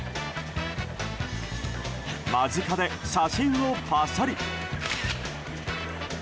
間近で写真をパシャリ。